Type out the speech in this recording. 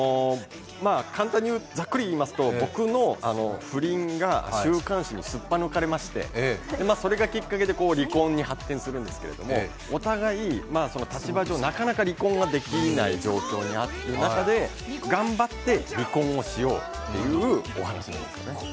簡単にざっくり言いますと僕の不倫が週刊誌にすっぱ抜かれましてそれがきっかけで離婚に発展するんですけどお互い、立場上、なかなか離婚ができない状況の中で、頑張って離婚をしようというお話なんですね。